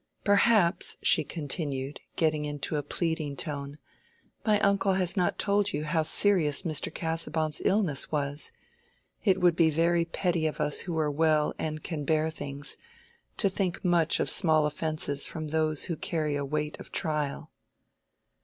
Perhaps," she continued, getting into a pleading tone, "my uncle has not told you how serious Mr. Casaubon's illness was. It would be very petty of us who are well and can bear things, to think much of small offences from those who carry a weight of trial."